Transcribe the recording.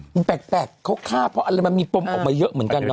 มันแปลกเขาฆ่าเพราะอะไรมันมีปมออกมาเยอะเหมือนกันเนอ